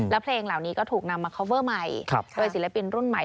ที่ใจจะไม่โหดร้ายเกินไป